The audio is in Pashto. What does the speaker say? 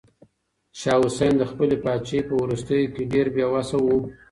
شاه حسين د خپلې پاچاهۍ په وروستيو کې ډېر بې وسه و.